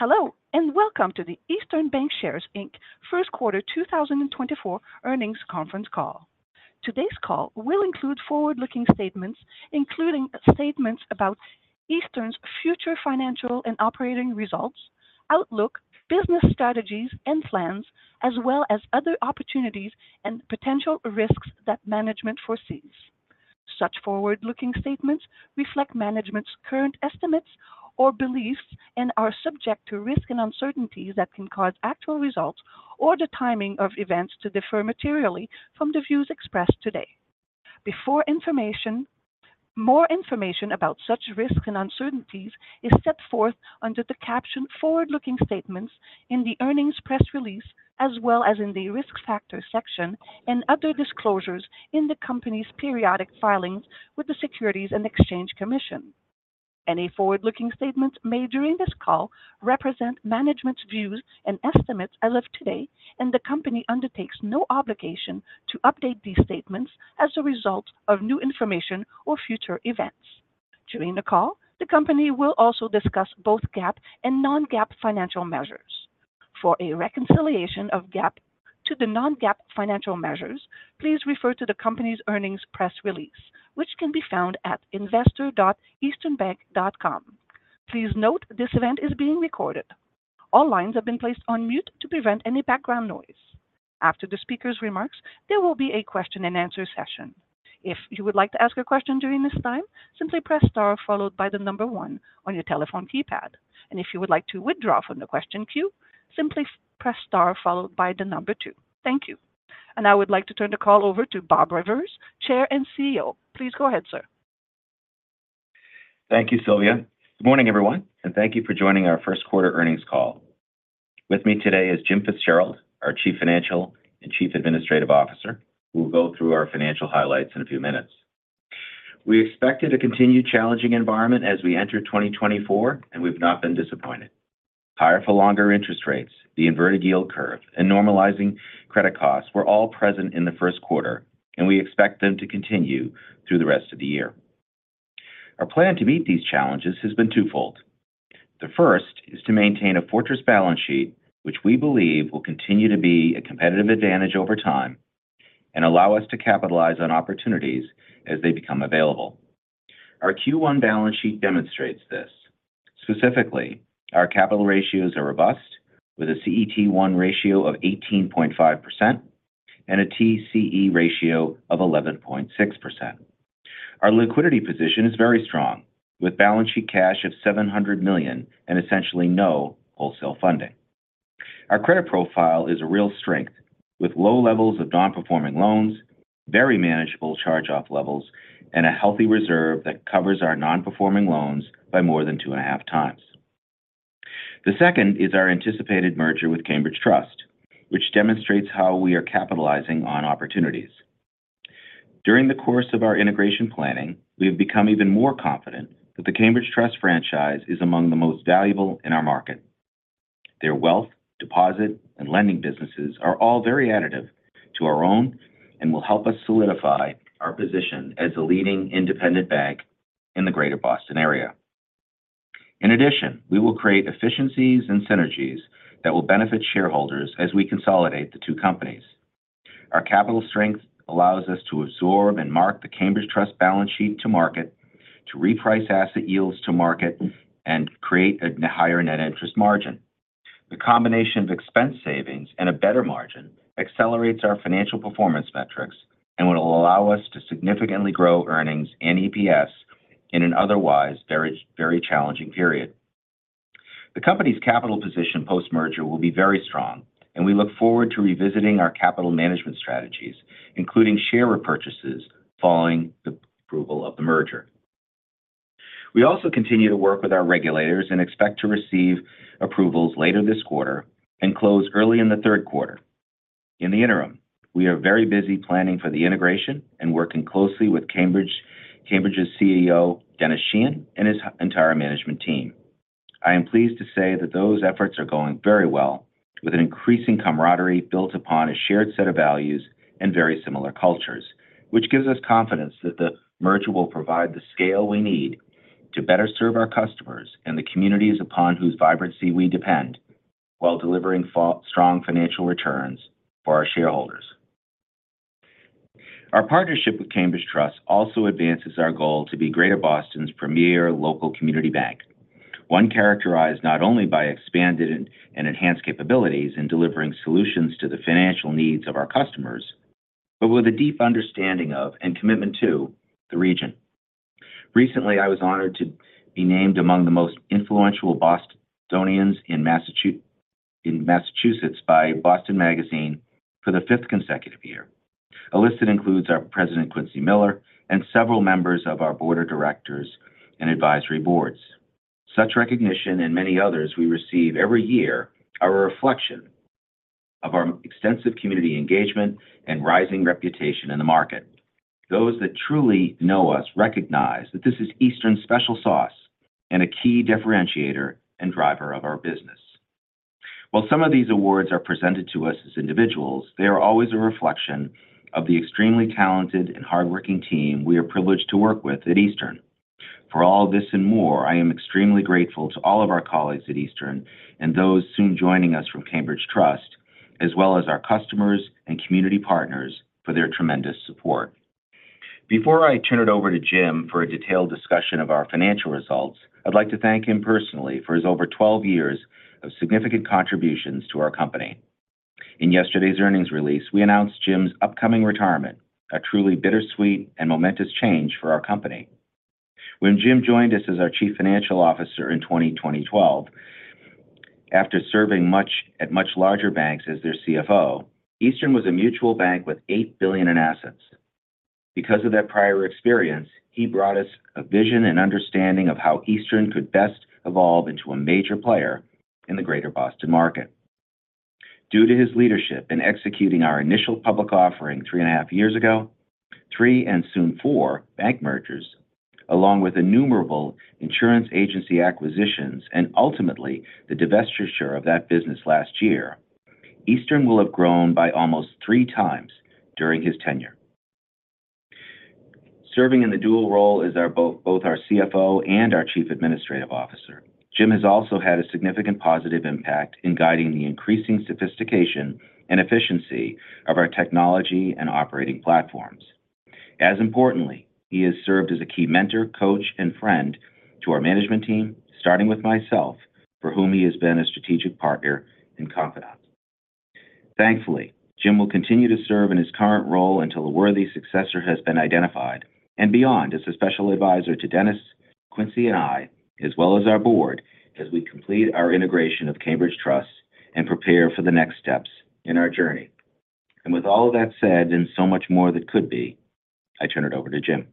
Hello, and welcome to the Eastern Bankshares, Inc. first quarter 2024 earnings conference call. Today's call will include forward-looking statements, including statements about Eastern's future financial and operating results, outlook, business strategies and plans, as well as other opportunities and potential risks that management foresees. Such forward-looking statements reflect management's current estimates or beliefs and are subject to risks and uncertainties that can cause actual results or the timing of events to differ materially from the views expressed today. Before more information about such risks and uncertainties is set forth under the caption Forward-Looking Statements in the earnings press release, as well as in the Risk Factors section and other disclosures in the company's periodic filings with the Securities and Exchange Commission. Any forward-looking statements made during this call represent management's views and estimates as of today, and the company undertakes no obligation to update these statements as a result of new information or future events. During the call, the company will also discuss both GAAP and non-GAAP financial measures. For a reconciliation of GAAP to the non-GAAP financial measures, please refer to the company's earnings press release, which can be found at investor.easternbank.com. Please note, this event is being recorded. All lines have been placed on mute to prevent any background noise. After the speaker's remarks, there will be a question and answer session. If you would like to ask a question during this time, simply press star followed by the number one on your telephone keypad. If you would like to withdraw from the question queue, simply press star followed by the number two. Thank you. I would like to turn the call over to Bob Rivers, Chair and CEO. Please go ahead, sir. Thank you, Sylvia. Good morning, everyone, and thank you for joining our first quarter earnings call. With me today is Jim Fitzgerald, our Chief Financial and Chief Administrative Officer, who will go through our financial highlights in a few minutes. We expected a continued challenging environment as we entered 2024, and we've not been disappointed. Higher for longer interest rates, the inverted yield curve, and normalizing credit costs were all present in the first quarter, and we expect them to continue through the rest of the year. Our plan to meet these challenges has been twofold. The first is to maintain a fortress balance sheet, which we believe will continue to be a competitive advantage over time and allow us to capitalize on opportunities as they become available. Our Q1 balance sheet demonstrates this. Specifically, our capital ratios are robust, with a CET1 ratio of 18.5% and a TCE ratio of 11.6%. Our liquidity position is very strong, with balance sheet cash of $700 million and essentially no wholesale funding. Our credit profile is a real strength, with low levels of non-performing loans, very manageable charge-off levels, and a healthy reserve that covers our non-performing loans by more than 2.5 times. The second is our anticipated merger with Cambridge Trust, which demonstrates how we are capitalizing on opportunities. During the course of our integration planning, we have become even more confident that the Cambridge Trust franchise is among the most valuable in our market. Their wealth, deposit, and lending businesses are all very additive to our own and will help us solidify our position as the leading independent bank in the Greater Boston area. In addition, we will create efficiencies and synergies that will benefit shareholders as we consolidate the two companies. Our capital strength allows us to absorb and mark the Cambridge Trust balance sheet to market, to reprice asset yields to market, and create a higher net interest margin. The combination of expense savings and a better margin accelerates our financial performance metrics and will allow us to significantly grow earnings and EPS in an otherwise very, very challenging period. The company's capital position post-merger will be very strong, and we look forward to revisiting our capital management strategies, including share repurchases, following the approval of the merger. We also continue to work with our regulators and expect to receive approvals later this quarter and close early in the third quarter. In the interim, we are very busy planning for the integration and working closely with Cambridge, Cambridge's CEO, Denis Sheahan, and his entire management team. I am pleased to say that those efforts are going very well, with an increasing camaraderie built upon a shared set of values and very similar cultures, which gives us confidence that the merger will provide the scale we need to better serve our customers and the communities upon whose vibrancy we depend, while delivering strong financial returns for our shareholders. Our partnership with Cambridge Trust also advances our goal to be Greater Boston's premier local community bank, one characterized not only by expanded and enhanced capabilities in delivering solutions to the financial needs of our customers, but with a deep understanding of and commitment to the region. Recently, I was honored to be named among the Most Influential Bostonians in Massachusetts by Boston Magazine for the fifth consecutive year. A list that includes our President, Quincy Miller, and several members of our board of directors and advisory boards. Such recognition and many others we receive every year are a reflection of our extensive community engagement and rising reputation in the market. Those that truly know us recognize that this is Eastern's special sauce and a key differentiator and driver of our business. While some of these awards are presented to us as individuals, they are always a reflection of the extremely talented and hardworking team we are privileged to work with at Eastern. For all this and more, I am extremely grateful to all of our colleagues at Eastern and those soon joining us from Cambridge Trust, as well as our customers and community partners for their tremendous support. Before I turn it over to Jim for a detailed discussion of our financial results, I'd like to thank him personally for his over 12 years of significant contributions to our company. In yesterday's earnings release, we announced Jim's upcoming retirement, a truly bittersweet and momentous change for our company. When Jim joined us as our Chief Financial Officer in 2012, after serving at much larger banks as their CFO, Eastern was a mutual bank with $8 billion in assets. Because of that prior experience, he brought us a vision and understanding of how Eastern could best evolve into a major player in the Greater Boston market. Due to his leadership in executing our initial public offering 3.5 years ago, three and soon four bank mergers, along with innumerable insurance agency acquisitions, and ultimately the divestiture of that business last year, Eastern will have grown by almost three times during his tenure. Serving in the dual role as our both, both our CFO and our Chief Administrative Officer, Jim has also had a significant positive impact in guiding the increasing sophistication and efficiency of our technology and operating platforms. As importantly, he has served as a key mentor, coach, and friend to our management team, starting with myself, for whom he has been a strategic partner and confidant. Thankfully, Jim will continue to serve in his current role until a worthy successor has been identified, and beyond, as a special advisor to Denis, Quincy, and I, as well as our board, as we complete our integration of Cambridge Trust and prepare for the next steps in our journey. With all of that said, and so much more that could be, I turn it over to Jim.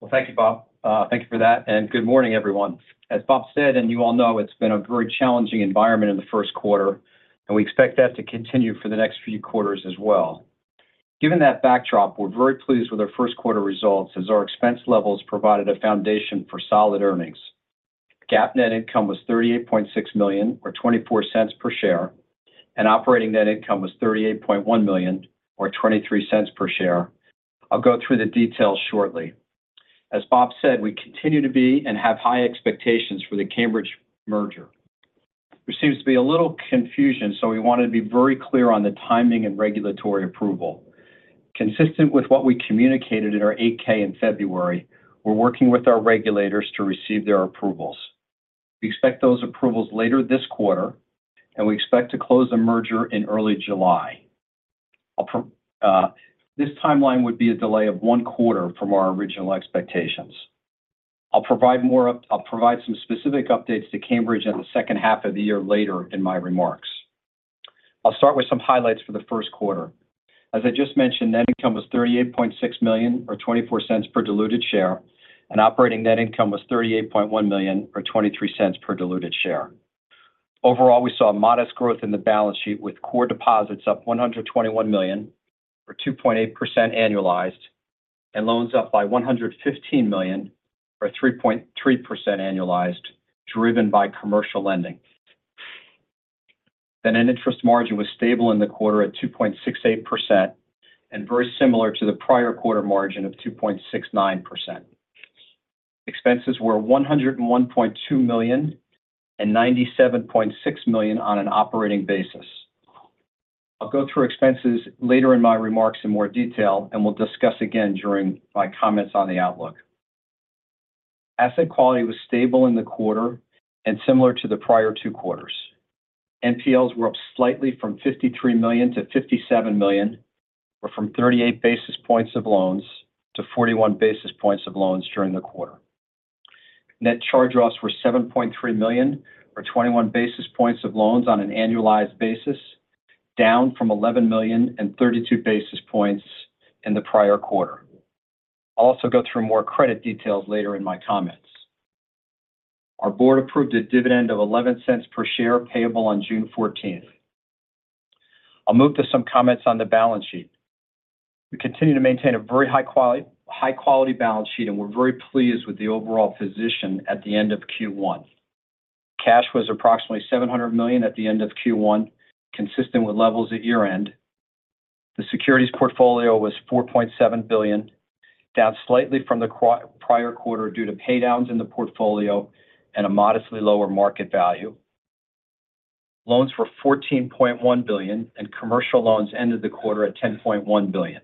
Well, thank you, Bob. Thank you for that, and good morning, everyone. As Bob said, and you all know, it's been a very challenging environment in the first quarter, and we expect that to continue for the next few quarters as well. Given that backdrop, we're very pleased with our first quarter results, as our expense levels provided a foundation for solid earnings. GAAP net income was $38.6 million, or $0.24 per share, and operating net income was $38.1 million or $0.23 per share. I'll go through the details shortly. As Bob said, we continue to be and have high expectations for the Cambridge merger. There seems to be a little confusion, so we want to be very clear on the timing and regulatory approval. Consistent with what we communicated in our 8-K in February, we're working with our regulators to receive their approvals. We expect those approvals later this quarter, and we expect to close the merger in early July. This timeline would be a delay of one quarter from our original expectations. I'll provide some specific updates to Cambridge in the second half of the year later in my remarks. I'll start with some highlights for the first quarter. As I just mentioned, net income was $38.6 million or $0.24 per diluted share, and operating net income was $38.1 million or $0.23 per diluted share. Overall, we saw a modest growth in the balance sheet, with core deposits up $121 million or 2.8% annualized, and loans up by $115 million or 3.3% annualized, driven by commercial lending. Then net interest margin was stable in the quarter at 2.68% and very similar to the prior quarter margin of 2.69%. Expenses were $101.2 million and $97.6 million on an operating basis. I'll go through expenses later in my remarks in more detail, and we'll discuss again during my comments on the outlook. Asset quality was stable in the quarter and similar to the prior two quarters. NPLs were up slightly from $53 to $57 million, or from 38 basis points of loans to 41 basis points of loans during the quarter. Net charge-offs were $7.3 million, or 21 basis points of loans on an annualized basis, down from $11 million and 32 basis points in the prior quarter. I'll also go through more credit details later in my comments. Our board approved a dividend of $0.11 per share, payable on June 14. I'll move to some comments on the balance sheet. We continue to maintain a very high quality, high quality balance sheet, and we're very pleased with the overall position at the end of Q1. Cash was approximately $700 million at the end of Q1, consistent with levels at year-end. The securities portfolio was $4.7 billion, down slightly from the prior quarter due to pay downs in the portfolio and a modestly lower market value. Loans were $14.1 billion, and commercial loans ended the quarter at $10.1 billion.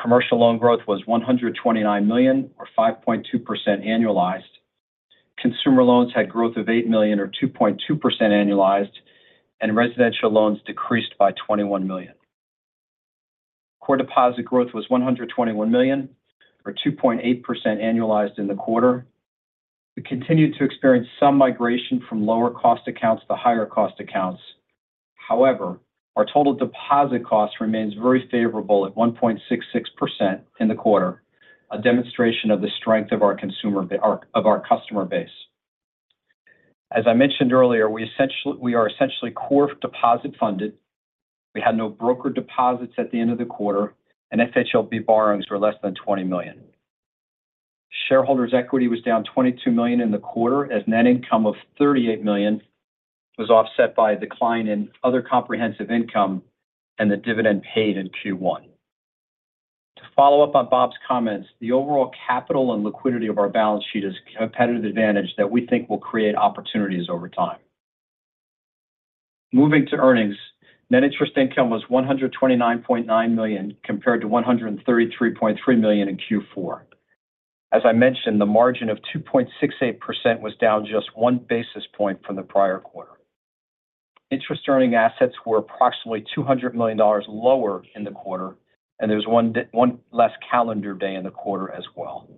Commercial loan growth was $129 million or 5.2% annualized. Consumer loans had growth of $8 million or 2.2% annualized, and residential loans decreased by $21 million. Core deposit growth was $121 million or 2.8% annualized in the quarter. We continued to experience some migration from lower-cost accounts to higher-cost accounts. However, our total deposit cost remains very favorable at 1.66% in the quarter, a demonstration of the strength of our consumer base... Of our customer base. As I mentioned earlier, we are essentially core deposit funded. We had no broker deposits at the end of the quarter, and FHLB borrowings were less than $20 million. Shareholders' equity was down $22 million in the quarter, as net income of $38 million was offset by a decline in other comprehensive income and the dividend paid in Q1. To follow up on Bob's comments, the overall capital and liquidity of our balance sheet is a competitive advantage that we think will create opportunities over time. Moving to earnings, net interest income was $129.9 million, compared to $133.3 million in Q4. As I mentioned, the margin of 2.68% was down just one basis point from the prior quarter. Interest-earning assets were approximately $200 million lower in the quarter, and there was one less calendar day in the quarter as well.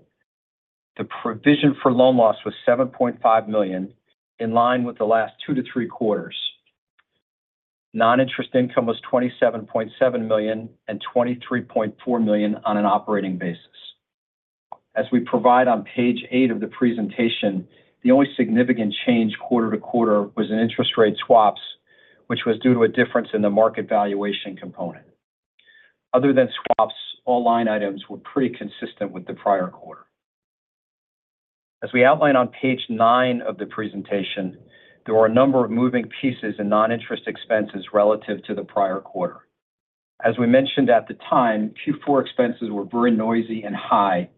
The provision for loan loss was $7.5 million, in line with the last two to three quarters. Non-interest income was $27.7 million and $23.4 million on an operating basis. As we provide on page 8 of the presentation, the only significant change quarter to quarter was in interest rate swaps, which was due to a difference in the market valuation component. Other than swaps, all line items were pretty consistent with the prior quarter. As we outline on page 9 of the presentation, there were a number of moving pieces in non-interest expenses relative to the prior quarter. As we mentioned at the time, Q4 expenses were very noisy and high,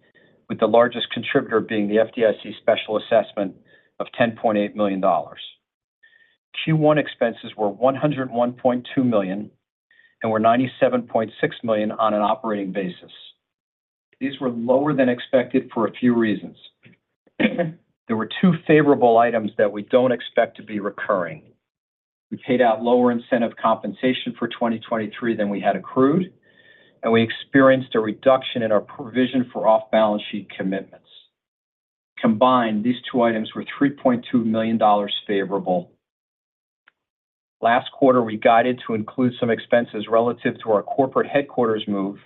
with the largest contributor being the FDIC special assessment of $10.8 million. Q1 expenses were $101.2 million and were $97.6 million on an operating basis. These were lower than expected for a few reasons. There were two favorable items that we don't expect to be recurring. We paid out lower incentive compensation for 2023 than we had accrued, and we experienced a reduction in our provision for off-balance sheet commitments. Combined, these two items were $3.2 million favorable. Last quarter, we guided to include some expenses relative to our corporate headquarters move,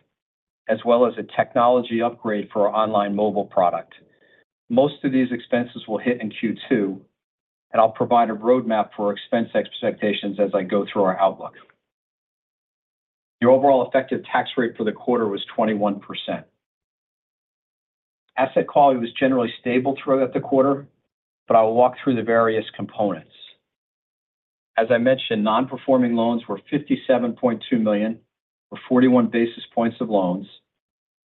as well as a technology upgrade for our online mobile product. Most of these expenses will hit in Q2, and I'll provide a roadmap for expense expectations as I go through our outlook. The overall effective tax rate for the quarter was 21%. Asset quality was generally stable throughout the quarter, but I will walk through the various components. As I mentioned, non-performing loans were $57.2 million, or 41 basis points of loans,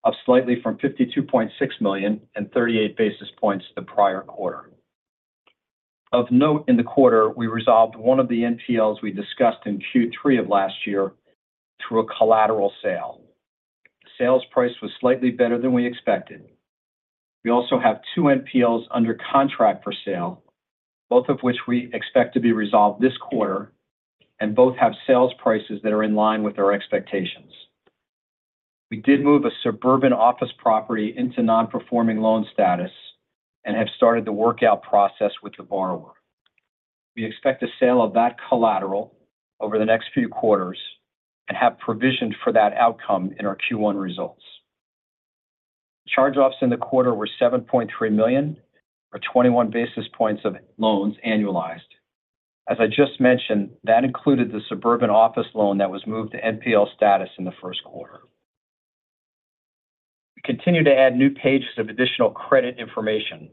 up slightly from $52.6 million and 38 basis points the prior quarter. Of note in the quarter, we resolved one of the NPLs we discussed in Q3 of last year through a collateral sale. Sales price was slightly better than we expected. We also have two NPLs under contract for sale, both of which we expect to be resolved this quarter, and both have sales prices that are in line with our expectations. We did move a suburban office property into non-performing loan status and have started the workout process with the borrower. We expect a sale of that collateral over the next few quarters and have provisioned for that outcome in our Q1 results. Charge-offs in the quarter were $7.3 million or 21 basis points of loans annualized. As I just mentioned, that included the suburban office loan that was moved to NPL status in the first quarter. We continue to add new pages of additional credit information.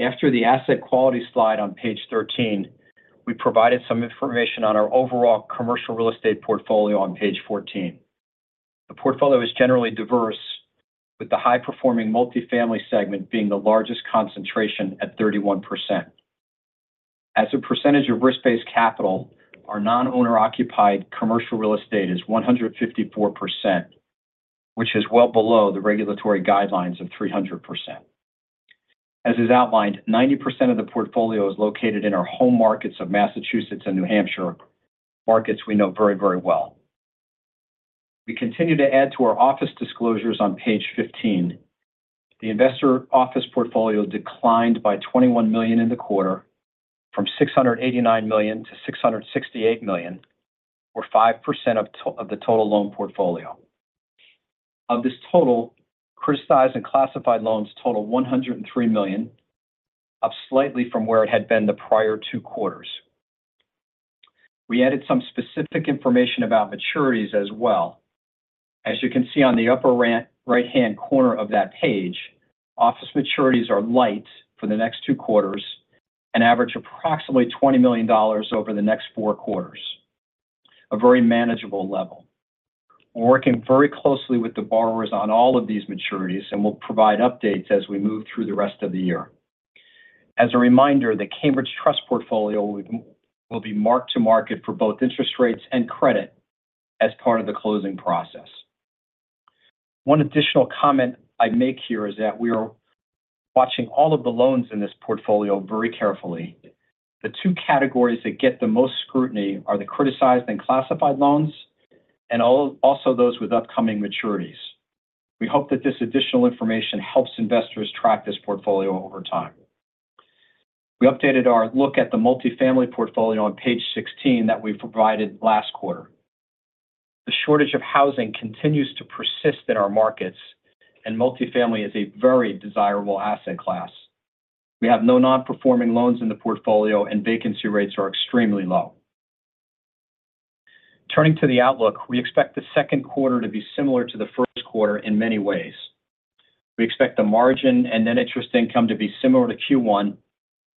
After the asset quality slide on page 13, we provided some information on our overall commercial real estate portfolio on page 14. The portfolio is generally diverse, with the high-performing multifamily segment being the largest concentration at 31%. As a percentage of risk-based capital, our non-owner-occupied commercial real estate is 154%, which is well below the regulatory guidelines of 300%. As is outlined, 90% of the portfolio is located in our home markets of Massachusetts and New Hampshire, markets we know very, very well. We continue to add to our office disclosures on page 15. The investor office portfolio declined by $21 million in the quarter, from $689 million to $668 million, or 5% of the total loan portfolio. Of this total, criticized and classified loans total $103 million, up slightly from where it had been the prior two quarters. We added some specific information about maturities as well. As you can see on the upper right-hand corner of that page, office maturities are light for the next two quarters and average approximately $20 million over the next four quarters, a very manageable level. We're working very closely with the borrowers on all of these maturities, and we'll provide updates as we move through the rest of the year. As a reminder, the Cambridge Trust portfolio will be mark to market for both interest rates and credit as part of the closing process. One additional comment I'd make here is that we are watching all of the loans in this portfolio very carefully. The two categories that get the most scrutiny are the criticized and classified loans and also those with upcoming maturities. We hope that this additional information helps investors track this portfolio over time. We updated our look at the multifamily portfolio on page 16 that we provided last quarter. The shortage of housing continues to persist in our markets, and multifamily is a very desirable asset class. We have no non-performing loans in the portfolio, and vacancy rates are extremely low. Turning to the outlook, we expect the second quarter to be similar to the first quarter in many ways. We expect the margin and net interest income to be similar to Q1,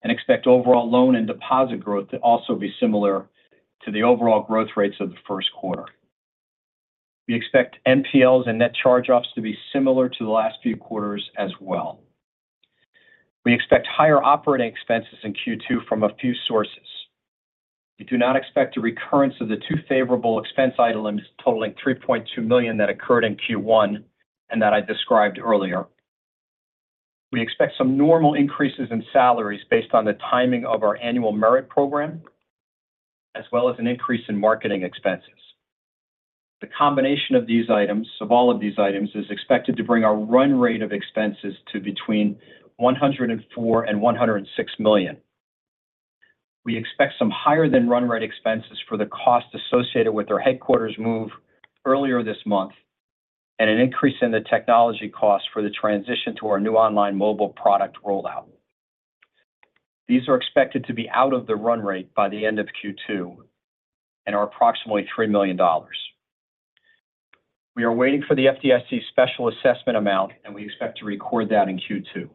and expect overall loan and deposit growth to also be similar to the overall growth rates of the first quarter. We expect NPLs and net charge-offs to be similar to the last few quarters as well. We expect higher operating expenses in Q2 from a few sources. We do not expect a recurrence of the two favorable expense items totaling $3.2 million that occurred in Q1, and that I described earlier. We expect some normal increases in salaries based on the timing of our annual merit program, as well as an increase in marketing expenses. The combination of these items, of all of these items, is expected to bring our run rate of expenses to between $104 and $106 million. We expect some higher than run rate expenses for the costs associated with our headquarters move earlier this month, and an increase in the technology costs for the transition to our new online mobile product rollout. These are expected to be out of the run rate by the end of Q2 and are approximately $3 million. We are waiting for the FDIC special assessment amount, and we expect to record that in Q2.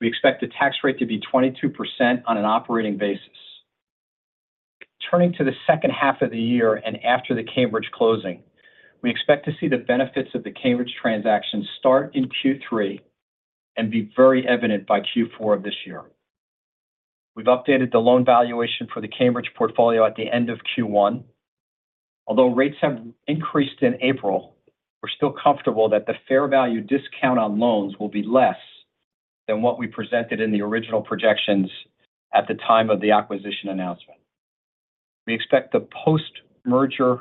We expect the tax rate to be 22% on an operating basis. Turning to the second half of the year and after the Cambridge closing, we expect to see the benefits of the Cambridge transaction start in Q3 and be very evident by Q4 of this year. We've updated the loan valuation for the Cambridge portfolio at the end of Q1. Although rates have increased in April, we're still comfortable that the fair value discount on loans will be less than what we presented in the original projections at the time of the acquisition announcement. We expect the post-merger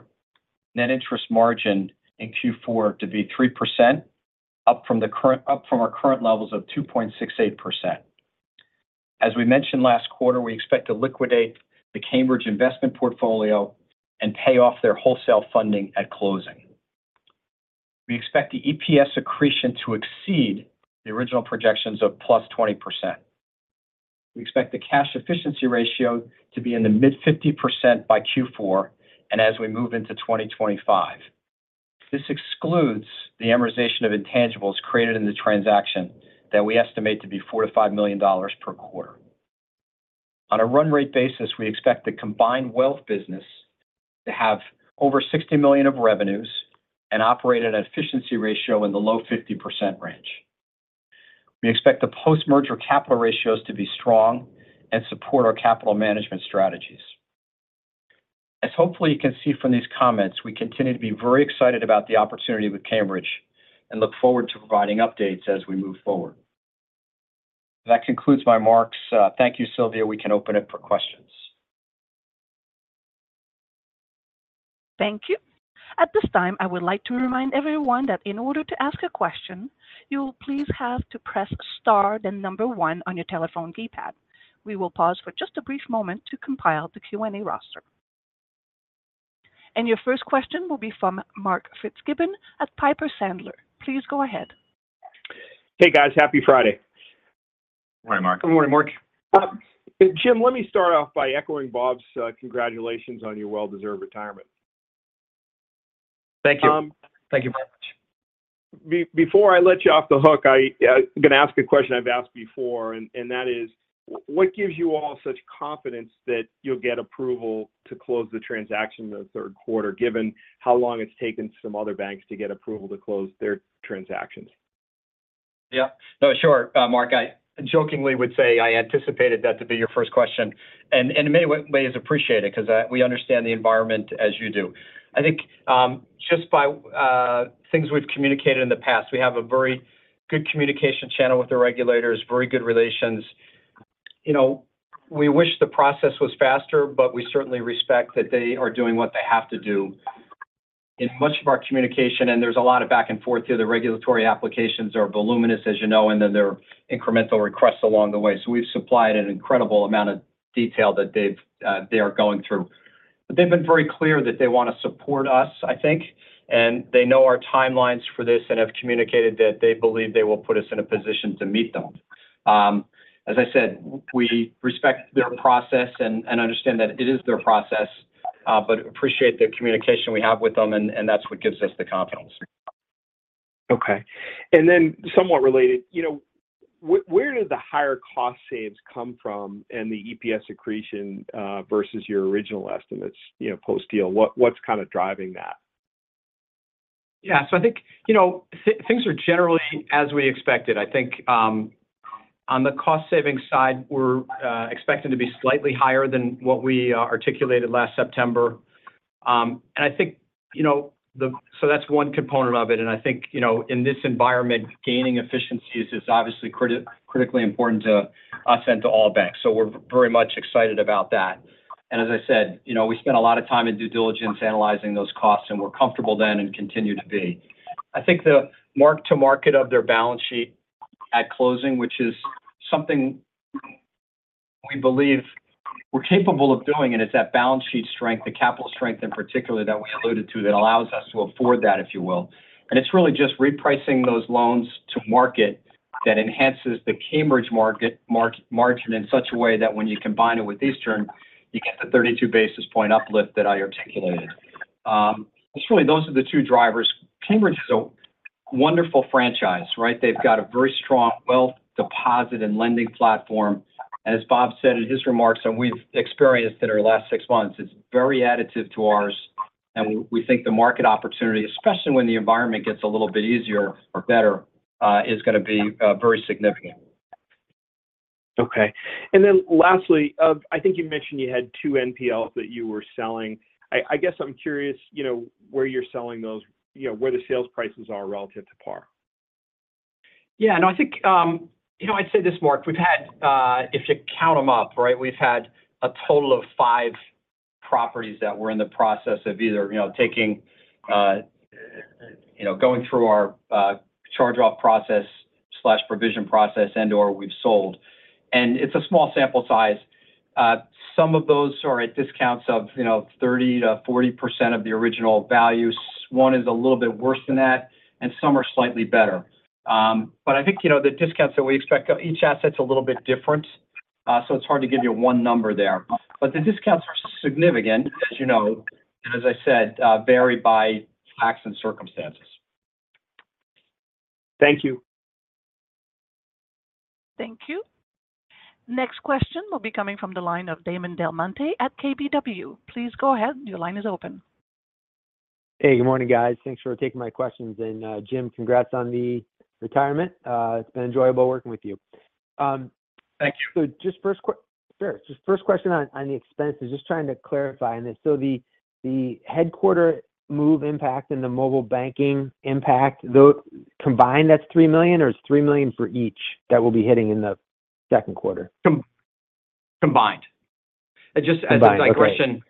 net interest margin in Q4 to be 3%, up from the current-- up from our current levels of 2.68%. As we mentioned last quarter, we expect to liquidate the Cambridge investment portfolio and pay off their wholesale funding at closing. We expect the EPS accretion to exceed the original projections of plus 20%. We expect the cash efficiency ratio to be in the mid-50% by Q4 and as we move into 2025. This excludes the amortization of intangibles created in the transaction that we estimate to be $4-$5 million per quarter. On a run rate basis, we expect the combined wealth business to have over $60 million of revenues and operate at an efficiency ratio in the low 50% range. We expect the post-merger capital ratios to be strong and support our capital management strategies. As hopefully you can see from these comments, we continue to be very excited about the opportunity with Cambridge, and look forward to providing updates as we move forward. That concludes my remarks. Thank you, Sylvia. We can open it for questions. Thank you. At this time, I would like to remind everyone that in order to ask a question, you'll please have to press Star, then number one on your telephone keypad. We will pause for just a brief moment to compile the Q&A roster. Your first question will be from Mark Fitzgibbon at Piper Sandler. Please go ahead. Hey, guys. Happy Friday. Good morning, Mark. Good morning, Mark. Jim, let me start off by echoing Bob's congratulations on your well-deserved retirement. Thank you. Um- Thank you very much. Before I let you off the hook, I'm going to ask a question I've asked before, and that is: what gives you all such confidence that you'll get approval to close the transaction in the third quarter, given how long it's taken some other banks to get approval to close their transactions? Yeah. No, sure. Mark, I jokingly would say I anticipated that to be your first question, and in many ways appreciate it because we understand the environment as you do. I think just by things we've communicated in the past, we have a very good communication channel with the regulators, very good relations. You know, we wish the process was faster, but we certainly respect that they are doing what they have to do. In much of our communication, and there's a lot of back and forth here, the regulatory applications are voluminous, as you know, and then there are incremental requests along the way. So we've supplied an incredible amount of detail that they've, they are going through. But they've been very clear that they want to support us, I think, and they know our timelines for this and have communicated that they believe they will put us in a position to meet them. As I said, we respect their process and understand that it is their process, but appreciate the communication we have with them, and that's what gives us the confidence. Okay. And then somewhat related, you know, where do the higher cost saves come from and the EPS accretion versus your original estimates, you know, post-deal? What, what's kind of driving that? Yeah. So I think, you know, things are generally as we expected. I think, on the cost-saving side, we're expecting to be slightly higher than what we articulated last September. And I think, you know, so that's one component of it, and I think, you know, in this environment, gaining efficiencies is obviously critically important to us and to all banks. So we're very much excited about that. And as I said, you know, we spent a lot of time in due diligence analyzing those costs, and we're comfortable then and continue to be. I think the mark to market of their balance sheet at closing, which is something we believe we're capable of doing, and it's that balance sheet strength, the capital strength in particular, that we alluded to, that allows us to afford that, if you will. It's really just repricing those loans to market... that enhances the Cambridge market margin in such a way that when you combine it with Eastern, you get the 32 basis point uplift that I articulated. It's really those are the two drivers. Cambridge is a wonderful franchise, right? They've got a very strong wealth deposit and lending platform. As Bob said in his remarks, and we've experienced in our last six months, it's very additive to ours, and we think the market opportunity, especially when the environment gets a little bit easier or better, is gonna be very significant. Okay. And then lastly, I think you mentioned you had two NPLs that you were selling. I guess I'm curious, you know, where you're selling those, you know, where the sales prices are relative to par? Yeah. No, I think, you know, I'd say this, Mark, we've had, if you count them up, right, we've had a total of five properties that were in the process of either, you know, taking, you know, going through our, charge-off process/provision process and/or we've sold. It's a small sample size. Some of those are at discounts of, you know, 30%-40% of the original values. One is a little bit worse than that, and some are slightly better. But I think, you know, the discounts that we expect- each asset's a little bit different, so it's hard to give you one number there. But the discounts are significant, as you know, and as I said, vary by facts and circumstances. Thank you. Thank you. Next question will be coming from the line of Damon DelMonte at KBW. Please go ahead. Your line is open. Hey, good morning, guys. Thanks for taking my questions. Jim, congrats on the retirement. It's been enjoyable working with you. Thank you. So just first sure. Just first question on, on the expenses. Just trying to clarify, and so the, the headquarters move impact and the mobile banking impact, combined, that's $3 million, or it's $3 million for each that we'll be hitting in the second quarter? Combined. And just- Combined. Okay. As to that question,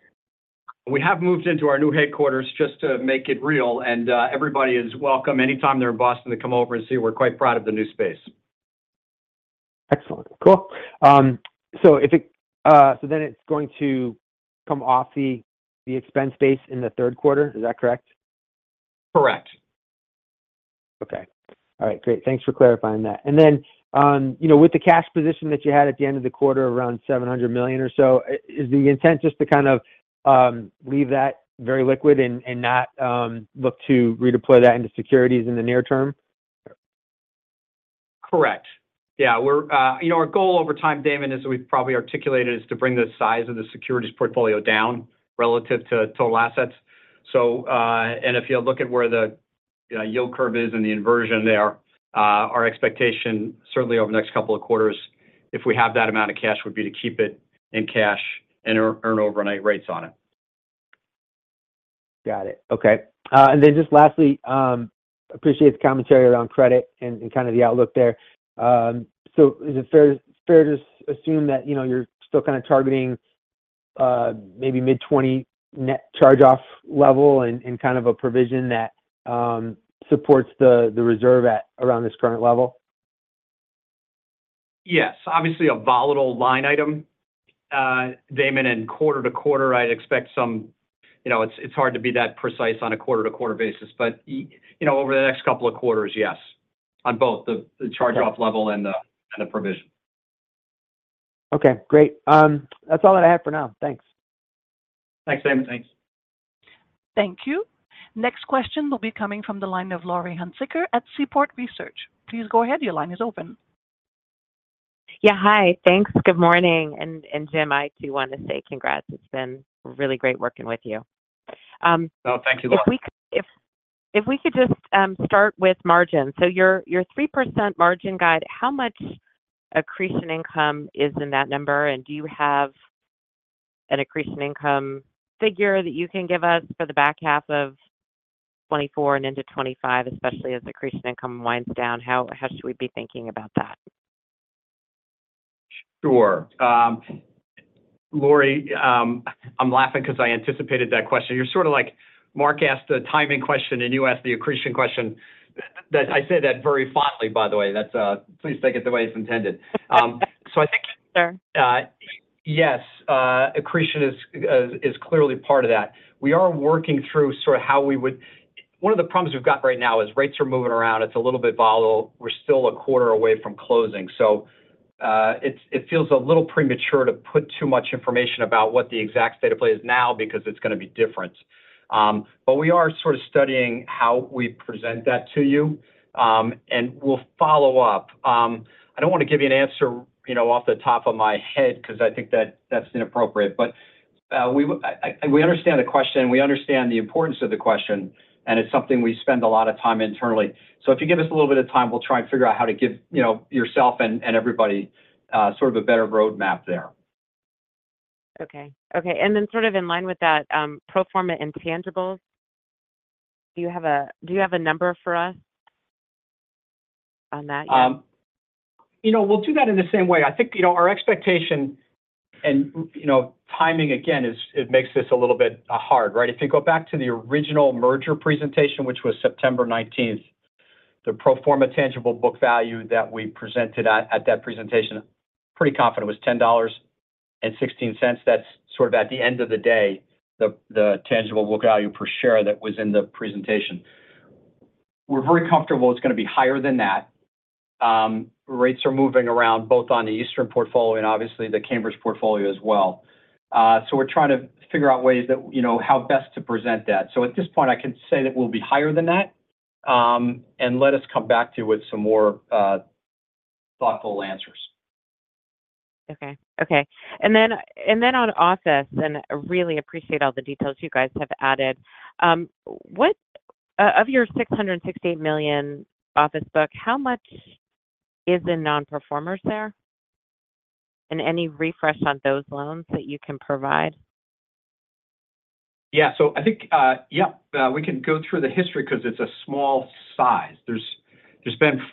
we have moved into our new headquarters just to make it real, and, everybody is welcome anytime they're in Boston to come over and see. We're quite proud of the new space. Excellent. Cool. So then it's going to come off the expense base in the third quarter. Is that correct? Correct. Okay. All right, great. Thanks for clarifying that. And then, you know, with the cash position that you had at the end of the quarter, around $700 million or so, is the intent just to kind of leave that very liquid and not look to redeploy that into securities in the near term? Correct. Yeah, we're... You know, our goal over time, Damon, as we've probably articulated, is to bring the size of the securities portfolio down relative to total assets. So, and if you look at where the, you know, yield curve is and the inversion there, our expectation, certainly over the next couple of quarters, if we have that amount of cash, would be to keep it in cash and earn overnight rates on it. Got it. Okay. And then just lastly, appreciate the commentary around credit and kind of the outlook there. So is it fair, fair to assume that, you know, you're still kind of targeting maybe mid-20 net charge-off level and kind of a provision that supports the reserve at around this current level? Yes. Obviously, a volatile line item, Damon, and quarter to quarter, I'd expect some... You know, it's hard to be that precise on a quarter-to-quarter basis, but you know, over the next couple of quarters, yes, on both the, the charge-off level- Okay and the provision. Okay, great. That's all I have for now. Thanks. Thanks, Damon. Thanks. Thank you. Next question will be coming from the line of Laurie Hunsicker at Seaport Research. Please go ahead. Your line is open. Yeah, hi. Thanks. Good morning. And Jim, I too want to say congrats. It's been really great working with you. Oh, thank you, Laurie. If we could just start with margin. So your 3% margin guide, how much accretion income is in that number? And do you have an accretion income figure that you can give us for the back half of 2024 and into 2025, especially as accretion income winds down? How should we be thinking about that? Sure. Laurie, I'm laughing because I anticipated that question. You're sort of like Mark asked the timing question, and you asked the accretion question. That I say that very fondly, by the way. That's... Please take it the way it's intended. So I think- Sure. Yes, accretion is clearly part of that. We are working through sort of how we would. One of the problems we've got right now is rates are moving around. It's a little bit volatile. We're still a quarter away from closing, so it feels a little premature to put too much information about what the exact state of play is now, because it's gonna be different. But we are sort of studying how we present that to you, and we'll follow up. I don't want to give you an answer, you know, off the top of my head because I think that that's inappropriate. But we understand the question, we understand the importance of the question, and it's something we spend a lot of time internally. If you give us a little bit of time, we'll try and figure out how to give, you know, yourself and, and everybody sort of a better roadmap there. Okay. Okay, and then sort of in line with that, pro forma intangibles, do you have a, do you have a number for us on that yet? You know, we'll do that in the same way. I think, you know, our expectation and, you know, timing again, is it makes this a little bit hard, right? If you go back to the original merger presentation, which was September nineteenth, the pro forma tangible book value that we presented at that presentation, pretty confident it was $10.16, that's sort of at the end of the day, the tangible book value per share that was in the presentation. We're very comfortable it's gonna be higher than that. Rates are moving around, both on the Eastern portfolio and obviously the Cambridge portfolio as well. So we're trying to figure out ways that, you know, how best to present that. At this point, I can say that we'll be higher than that, and let us come back to you with some more thoughtful answers. Okay, and then on office, and I really appreciate all the details you guys have added. What of your $668 million office book, how much is in nonperforming there? And any refresh on those loans that you can provide? Yeah. So I think, yeah, we can go through the history 'cause it's a small size. There's been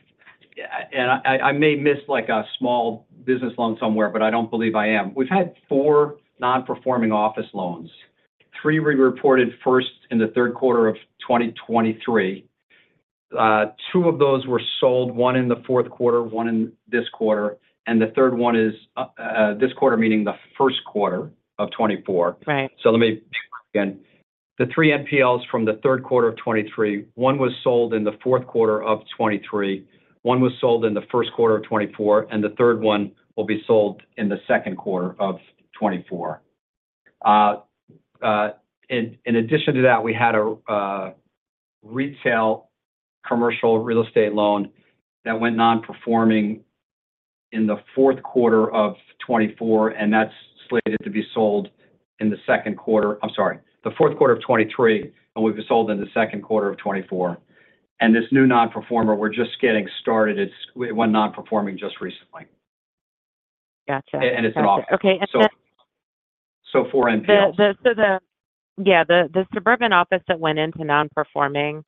and I may miss, like, a small business loan somewhere, but I don't believe I am. We've had four nonperforming office loans. Three we reported first in the third quarter of 2023. Two of those were sold, one in the fourth quarter, one in this quarter, and the third one is this quarter, meaning the first quarter of 2024. Right. So let me again. The three NPLs from the third quarter of 2023, one was sold in the fourth quarter of 2023, one was sold in the first quarter of 2024, and the third one will be sold in the second quarter of 2024. In addition to that, we had a retail commercial real estate loan that went nonperforming in the fourth quarter of 2024, and that's slated to be sold in the second quarter, I'm sorry, the fourth quarter of 2023, and will be sold in the second quarter of 2024. And this new nonperformer, we're just getting started. It went nonperforming just recently. Gotcha. It's an office. Okay, and then- 4 NPLs. So the suburban office that went into nonperforming,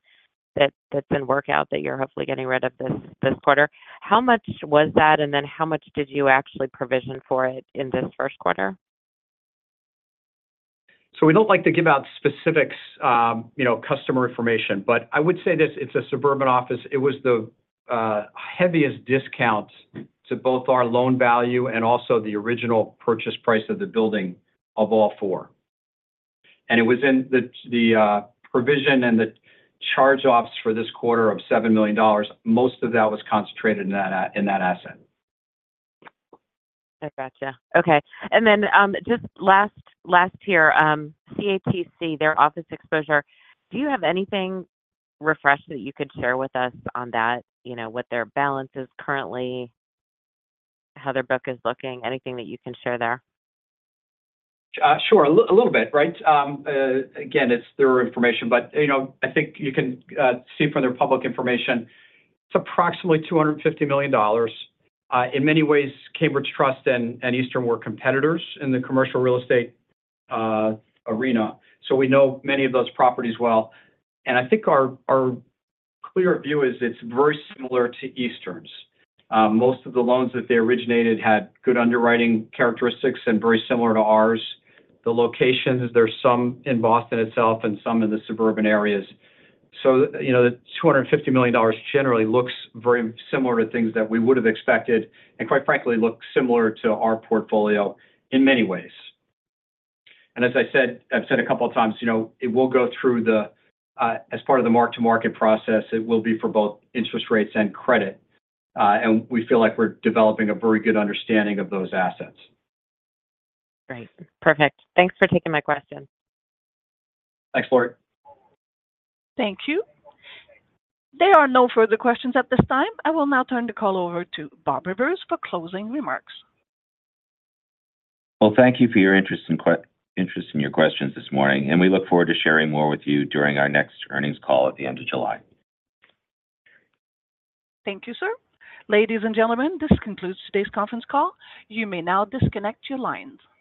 that's in workout that you're hopefully getting rid of this quarter, how much was that, and then how much did you actually provision for it in this first quarter? So we don't like to give out specifics, you know, customer information, but I would say this, it's a suburban office. It was the heaviest discount to both our loan value and also the original purchase price of the building of all four. And it was in the provision and the charge-offs for this quarter of $7 million. Most of that was concentrated in that asset. I gotcha. Okay, and then just last year, CATC, their office exposure, do you have anything refresh that you could share with us on that? You know, what their balance is currently, how their book is looking, anything that you can share there? Sure. A little bit, right? Again, it's their information, but, you know, I think you can see from their public information, it's approximately $250 million. In many ways, Cambridge Trust and Eastern were competitors in the commercial real estate arena, so we know many of those properties well. And I think our clear view is it's very similar to Eastern's. Most of the loans that they originated had good underwriting characteristics and very similar to ours. The locations, there are some in Boston itself and some in the suburban areas. So, you know, the $250 million generally looks very similar to things that we would have expected, and quite frankly, looks similar to our portfolio in many ways. As I said, I've said a couple of times, you know, it will go through the, as part of the mark-to-market process, it will be for both interest rates and credit, and we feel like we're developing a very good understanding of those assets. Great. Perfect. Thanks for taking my question. Thanks, Laurie. Thank you. There are no further questions at this time. I will now turn the call over to Bob Rivers for closing remarks. Well, thank you for your interest and questions this morning, and we look forward to sharing more with you during our next earnings call at the end of July. Thank you, sir. Ladies and gentlemen, this concludes today's conference call. You may now disconnect your lines.